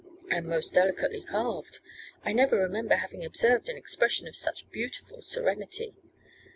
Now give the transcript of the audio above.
'And most delicately carved. I never remember having observed an expression of such beautiful serenity.